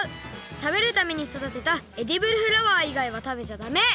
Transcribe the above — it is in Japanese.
食べるために育てたエディブルフラワー以外は食べちゃダメ！